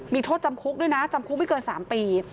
มีโทษจำคุกด้วยนะจำคุกไม่เกิน๓ปี